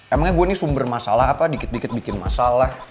emangnya gue ini sumber masalah apa dikit dikit bikin masalah